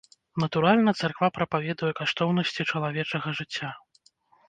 Натуральна, царква прапаведуе каштоўнасці чалавечага жыцця.